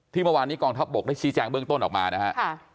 เมื่อวานนี้กองทัพบกได้ชี้แจงเบื้องต้นออกมานะฮะ